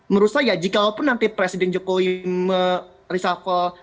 menurut saya jikalau nanti presiden jokowi merisa falk